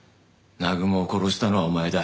南雲を殺したのはお前だ。